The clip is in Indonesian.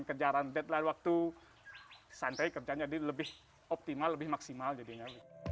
kejaran datelah waktu santai kerjaan jadi lebih optimal lebih maksimal jadinya